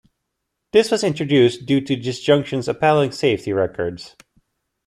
This was introduced due to this junction's appalling safety record.